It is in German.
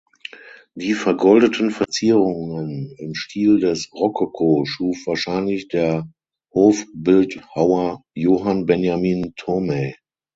Die vergoldeten Verzierungen im Stil des Rokoko schuf wahrscheinlich der Hofbildhauer Johann Benjamin Thomae.